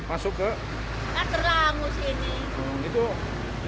masuk ke terang terang